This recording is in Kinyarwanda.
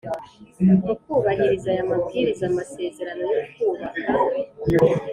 Mu kubahiriza aya mabwiriza amasezerano yo kubaka